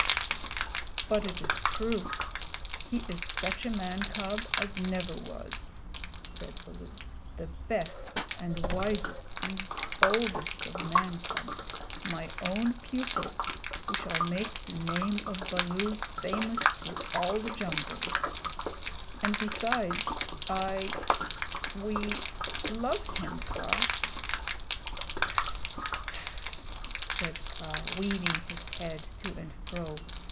"But it is true. He is such a man cub as never was," said Baloo. "The best and wisest and boldest of man cubs my own pupil, who shall make the name of Baloo famous through all the jungles; and besides, I we love him, Kaa." "Ts! Ts!" said Kaa, weaving his head to and fro.